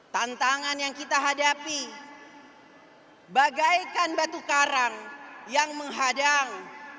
tantangan yang kita hadapi bagaikan batu karang yang menghadang